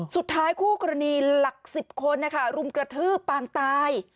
คู่กรณีหลัก๑๐คนรุมกระทืบปางตาย